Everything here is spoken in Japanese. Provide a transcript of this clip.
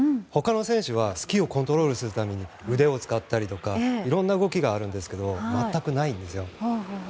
他の選手はスキーをコントロールするために腕を使ったりといろんな動きがあるんですが全くないんですよ。